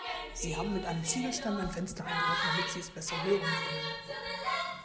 Sie haben mit einem Ziegelstein mein Fenster eingeworfen, damit sie es besser hören können.